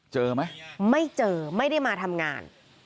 เจอไหมไม่เจอไม่ได้มาทำงาน